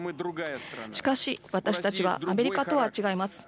しかし私たちはアメリカとは違います。